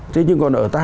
thế nhưng còn ở ta